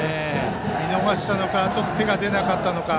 見逃したのかちょっと手が出なかったのか